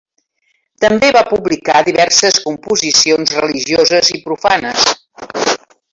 També va publicar diverses composicions religioses i profanes.